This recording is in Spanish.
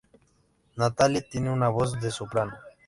Natalie tiene una voz de soprano.